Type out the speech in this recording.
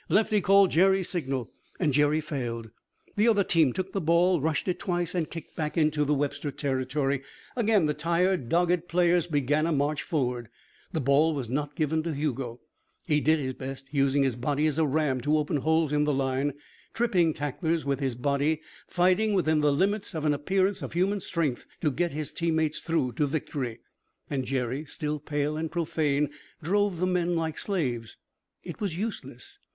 Lefty called Jerry's signal, and Jerry failed. The other team took the ball, rushed it twice, and kicked back into the Webster territory. Again the tired, dogged players began a march forward. The ball was not given to Hugo. He did his best, using his body as a ram to open holes in the line, tripping tacklers with his body, fighting within the limits of an appearance of human strength to get his teammates through to victory. And Jerry, still pale and profane, drove the men like slaves. It was useless.